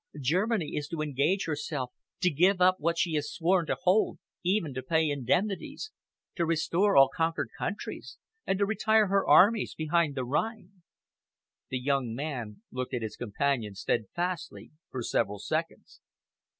Germany is to engage herself to give up what she has sworn to hold, even to pay indemnities, to restore all conquered countries, and to retire her armies behind the Rhine." The young man looked at his companion steadfastly for several seconds.